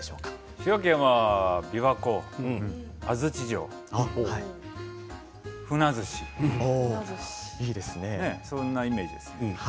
滋賀県は、琵琶湖、安土城ふなずし、そんなイメージです。